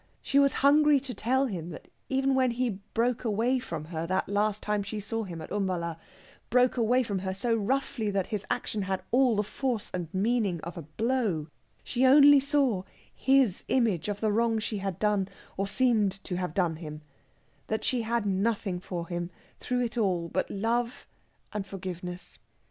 She was hungry to tell him that even when he broke away from her that last time she saw him at Umballa broke away from her so roughly that his action had all the force and meaning of a blow she only saw his image of the wrong she had done, or seemed to have done him; that she had nothing for him through it all but love and forgiveness.